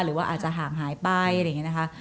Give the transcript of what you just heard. หรือว่าอาจจะห่างหายไปอะไรอย่างนี้นะคะ